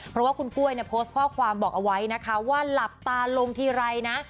เพราะว่าคุณกล้วยเนี่ยโพสต์ข้อความบอกเอาไว้นะคะว่าหลับตาลงทีไรนะ